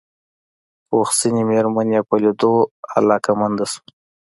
پوخ سنې مېرمن يې په ليدو علاقه منده شوه.